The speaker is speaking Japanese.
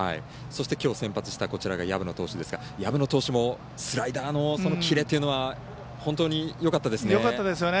きょう先発した薮野投手ですが、薮野投手もスライダーのキレというのが本当によかったですね。